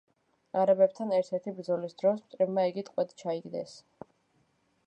არაბებთან ერთ-ერთი ბრძოლის დროს მტრებმა იგი ტყვედ ჩაიგდეს.